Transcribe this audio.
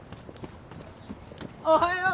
おはよー！